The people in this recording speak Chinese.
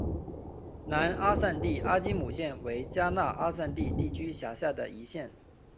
南阿散蒂阿基姆县为迦纳阿散蒂地区辖下的一县。